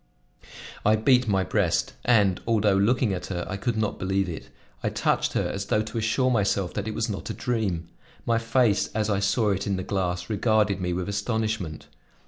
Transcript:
I beat my breast, and, although looking at her, I could not believe it. I touched her as though to assure myself that it was not a dream. My face, as I saw it in the glass, regarded me with astonishment.